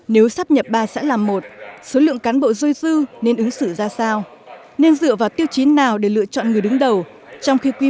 nếu sắp nhập ba sẽ làm một số lượng cán bộ dôi dư nên ứng dụng